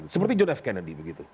seperti john f kennedy begitu